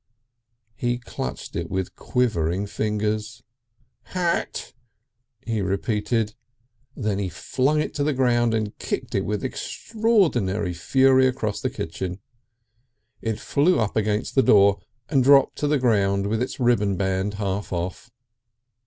He clutched it with quivering fingers. "Hat!" he repeated. Then he flung it to the ground, and kicked it with extraordinary fury across the kitchen. It flew up against the door and dropped to the ground with its ribbon band half off.